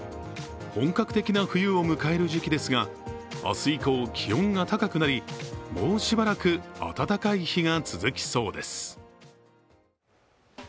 本格的な冬を迎える時期ですが、明日以降、気温が高くなりもうしばらく暖かい日が続きそうです。